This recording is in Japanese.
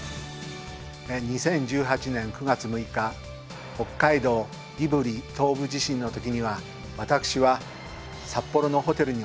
２０１８年９月６日北海道胆振東部地震のときには私は札幌のホテルにいました。